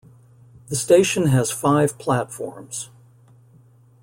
The station has five platforms.